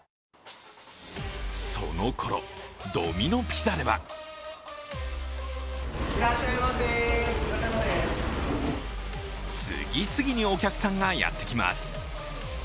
そのころ、ドミノ・ピザでは次々にお客さんがやってきます。